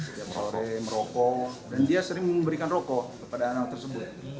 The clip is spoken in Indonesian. setiap sore merokok dan dia sering memberikan rokok kepada anak tersebut